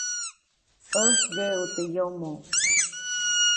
ʼÄjt ŋgeʼuʼt teʼ yomoʼ.